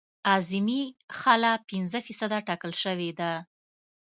اعظمي خلا پنځه فیصده ټاکل شوې ده